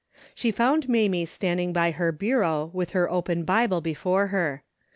She found Mamie standing by her bureau with her open Bible before her.